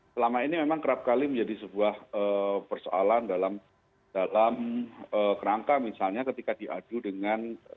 selama ini memang kerap kali menjadi sebuah persoalan dalam kerangka misalnya ketika diadu dengan